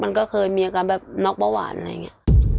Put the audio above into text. มันก็เคยมีอาการแบบน็อกเบาหวานอะไรอย่างนี้